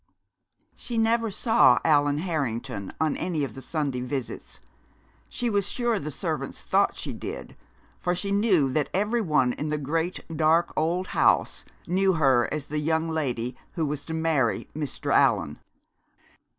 She never saw Allan Harrington on any of the Sunday visits. She was sure the servants thought she did, for she knew that every one in the great, dark old house knew her as the young lady who was to marry Mr. Allan.